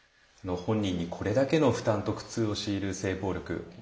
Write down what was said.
本人にこれだけの負担と苦痛を強いる性暴力。